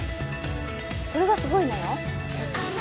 これがすごいのよ。